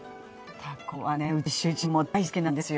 たこはねうち主人も大好きなんですよ。